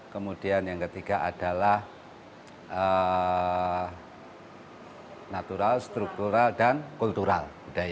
kemudian yang ketiga adalah natural struktural dan kultural